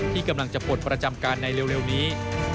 ที่กำลังจะปลดประจำการในเร็วนี้